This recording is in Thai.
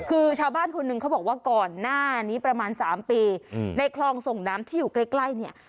คือชาวบ้านคนหนึ่งเขาบอกว่าก่อนหน้านี้ประมาณ๓ปีในคลองส่งน้ำที่อยู่ใกล้เนี่ย